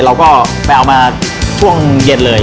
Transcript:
ในอีทธิ์เราก็ไปเอามาช่วงเย็นเลย